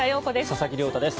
佐々木亮太です。